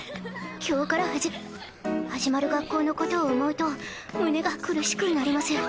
今日からはず始まる学校のことを思うと胸が苦しくなります。